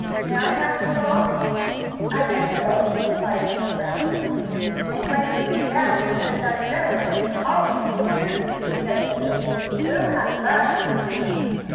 May I have the claw?" "I guess so," replied Mrs. Brown. "And when you clean it out, and put it on your nose, I'll be Mrs. Judy," said Sue. "We'll have fun."